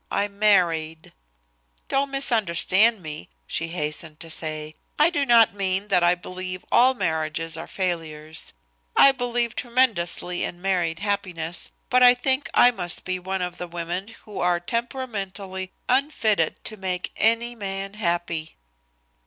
I married." "Don't misunderstand me," she hastened to say. "I do not mean that I believe all marriages are failures. I believe tremendously in married happiness, but I think I must be one of the women who are temperamentally unfitted to make any man happy."